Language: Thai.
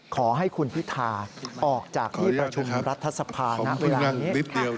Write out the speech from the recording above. ขอให้คุณพิธาออกจากที่ประชุมรัฐสภานะเวลานิดเดียว